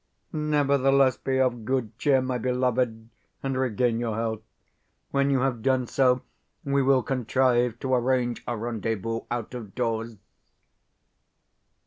Nevertheless, be of good cheer, my beloved, and regain your health. When you have done so we will contrive to arrange a rendezvous out of doors.